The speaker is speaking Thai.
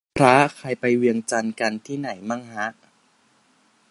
วันนี้วันพระ ใครไปเวียงจันทร์กันที่ไหนมั่งฮะ